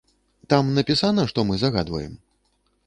Там напісана, што мы загадваем?